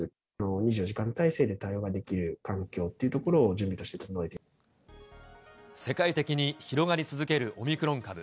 ２４時間体制で対応ができる環境というところを準備として整えて世界的に広がり続けるオミクロン株。